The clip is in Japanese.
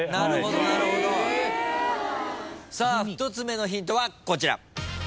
１つ目のヒントはこちら。